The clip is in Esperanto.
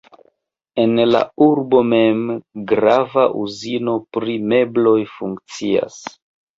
En la urbo mem grava uzino pri mebloj funkcias.